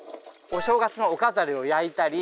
お正月のお飾りを焼いたり。